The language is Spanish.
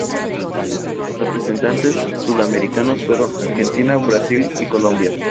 Los representantes sudamericanos fueron Argentina, Brasil y Colombia.